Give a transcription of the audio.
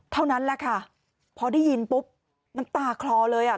เท่านั้นแหละค่ะพอได้ยินปุ๊บน้ำตาคลอเลยอ่ะ